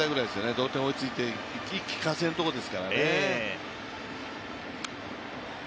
同点に追いついて、一気呵成のところですからね。